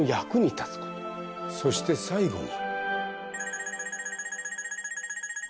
そして最後に。